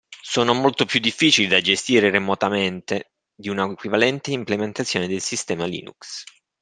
Sono molto più difficili da gestire remotamente di una equivalente implementazione del sistema Linux.